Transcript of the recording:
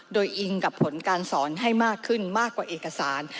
โดยอิงกับผลการสอนให้มากขึ้นมากกว่าเอกสาร